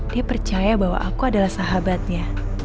dia percaya bahwa aku adalah sahabatnya